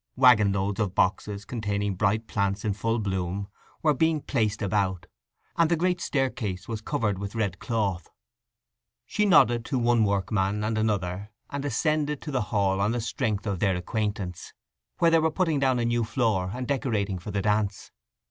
Waggon loads of boxes containing bright plants in full bloom were being placed about, and the great staircase was covered with red cloth. She nodded to one workman and another, and ascended to the hall on the strength of their acquaintance, where they were putting down a new floor and decorating for the dance.